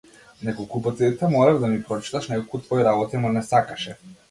Неколку пати те молев да ми прочиташ неколку твои работи, ама не сакаше.